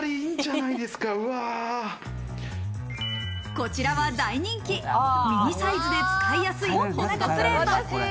こちらは大人気、ミニサイズで使いやすいホットプレート。